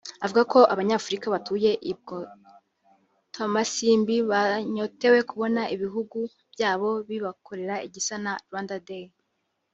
Avuga ko Abanyafurika batuye i Bwotamasimbi banyotewe kubona ibihugu byabo bibakorera igisa na Rwanda Day